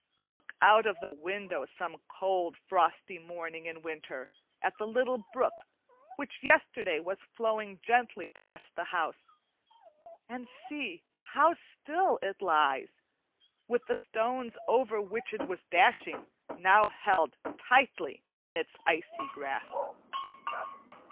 Look out of the window some cold frosty morning in winter, at the little brook which yesterday was flowing gently past the house, and see how still it lies, with the stones over which it was dashing now held tightly in its icy grasp.